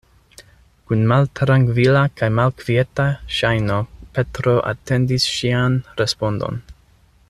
Kun maltrankvila kaj malkvieta ŝajno Petro atendis ŝian respondon.